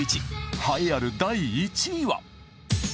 栄えある第１位は？